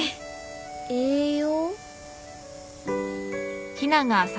栄養。